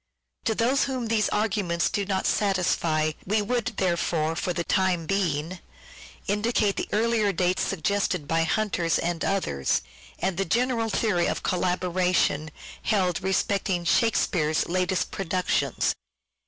To those whom these arguments do not satisfy we would therefore, for the time being, indicate the earlier dates suggested by Hunter and others, and the general theory of collaboration held respecting " Shake speare's " latest productions.